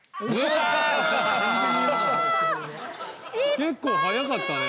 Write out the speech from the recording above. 結構速かったね